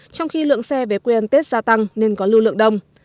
trong khi lượng xe về quyền tết gia tăng nên có lưu lượng đông